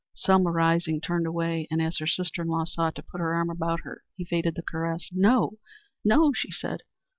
Selma, rising, turned away, and as her sister in law sought to put her arm about her, evaded the caress. "No no," she said.